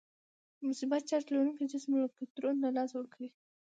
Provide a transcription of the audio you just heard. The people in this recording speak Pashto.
د مثبت چارج لرونکی جسم الکترون له لاسه ورکوي.